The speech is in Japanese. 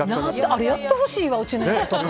あれやってほしいわうちのやつとか。